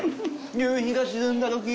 夕日が沈んだとき。